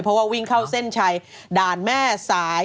เพราะว่าวิ่งเข้าเส้นชัยด่านแม่สาย